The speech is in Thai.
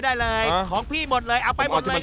ได้เลยของพี่หมดเลยเอาไปหมดเลยก็ยังได้